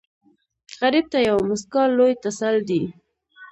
غریب ته یوه موسکا لوی تسل دی